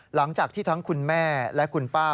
หลังจากที่ทั้งคุณแม่และคุณป้า